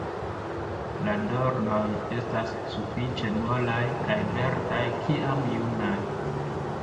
La dornoj estas sufiĉe molaj kaj verdaj kiam junaj.